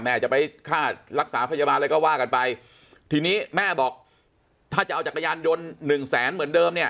แม่จะไปค่ารักษาพยาบาลอะไรก็ว่ากันไปทีนี้แม่บอกถ้าจะเอาจักรยานยนต์หนึ่งแสนเหมือนเดิมเนี่ย